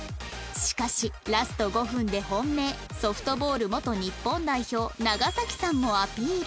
しかしラスト５分で本命ソフトボール元日本代表長さんもアピール